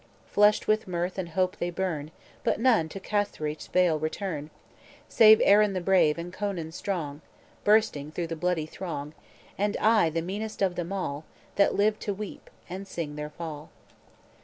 Flushed with mirth and hope they burn, But none to Cattraeth's vale return, Save Aeron brave, and Conan strong, Bursting through the bloody throng, And I, the meanest of them all, That live to weep, and sing their fall."